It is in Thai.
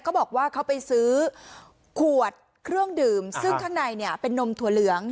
เขาบอกว่าเขาไปซื้อขวดเครื่องดื่มซึ่งข้างในเนี่ยเป็นนมถั่วเหลือง